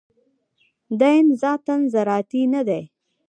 دین ذاتاً زراعتي نه دی.